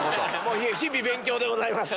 日々勉強でございます。